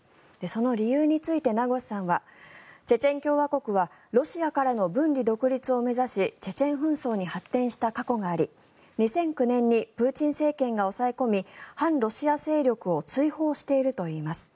その理由について名越さんはチェチェン共和国はロシアからの分離独立を目指しチェチェン紛争に発展した過去があり２００９年にプーチン政権が抑え込み反ロシア勢力を追放しているといいます。